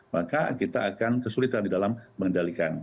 maka kita akan kesulitan di dalam mengendalikan